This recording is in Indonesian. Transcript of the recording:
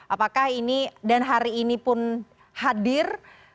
apakah ini dan hari ini pun hadir